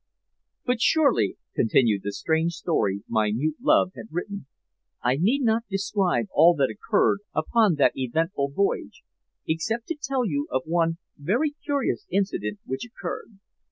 "But surely," continued the strange story my mute love had written, "I need not describe all that occurred upon that eventful voyage, except to tell you of one very curious incident which occurred.